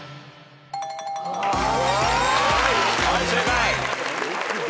はい正解。